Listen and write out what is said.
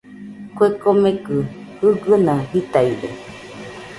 Kue komekɨ jɨgɨna jitaide.